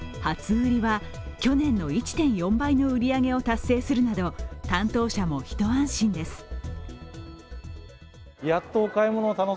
初売りは去年の１．４倍の売り上げを達成するなど、担当者も一安心です。